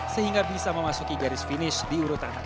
sehingga bisa memasuki garis finish di urutan ke empat